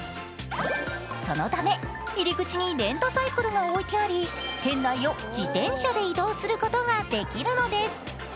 そのため入り口にレンタサイクルが置いてあり店内を自転車で移動することができるのです。